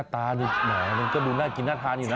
ตาดิบหน่อยมันก็ดูน่ากินน่าทานอยู่นะ